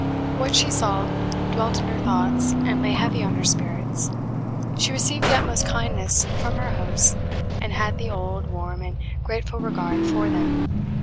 What she saw dwelt in her thoughts, and lay heavy on her spirits. She received the utmost kindness from her hosts, and had the old, warm, and grateful regard for them.